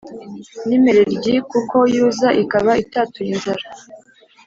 N impereryi kuko yuza ikaba itatuye inzara